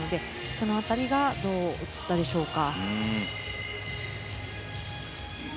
その辺りがどう映ったでしょうか。